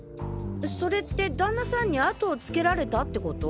それって旦那さんに後をつけられたってこと？